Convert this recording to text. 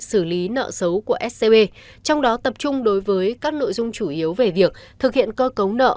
xử lý nợ xấu của scb trong đó tập trung đối với các nội dung chủ yếu về việc thực hiện cơ cấu nợ